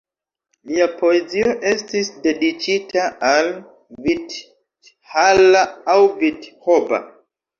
Lia poezio estis dediĉita al Vitthala aŭ Vithoba.